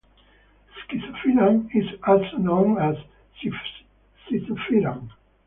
Schizophyllan is also known as sizofiran.